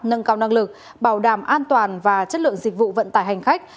nâng cao năng lực bảo đảm an toàn và chất lượng dịch vụ vận tải hành khách